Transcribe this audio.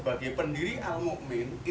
pondok pesantren al mu'min nguruki